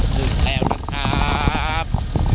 ถึงแล้วนะครับ